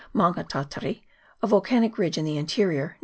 Maunga Tau tari, a volcanic ridge in the interior, N.